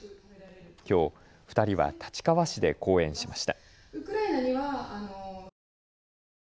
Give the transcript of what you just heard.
きょう２人は立川市で講演しました。